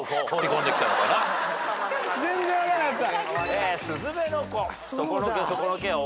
全然分かんなかった。